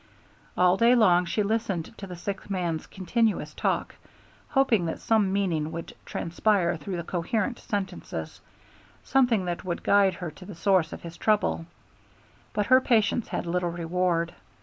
All day long she listened to the sick man's continuous talk, hoping that some meaning would transpire through the incoherent sentences, something that would guide her to the source of his trouble; but her patience had little reward.